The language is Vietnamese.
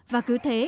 và cứ thế